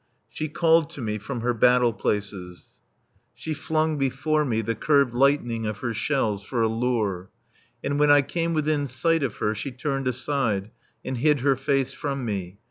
She called to me from her battle places, She flung before me the curved lightning of her shells for a lure; And when I came within sight of her, She turned aside, And hid her face from me.